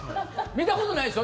見たことないでしょ？